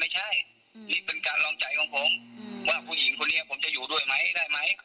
เขาก็ไม่ยอมโอนเขาก็บิดนู่นบิดนี่